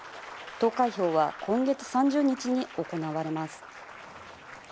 投開票は今月３０日に行われます。